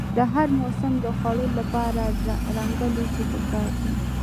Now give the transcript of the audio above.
د هر موسم د خوړو لپاره رنګه لوښي پکار دي.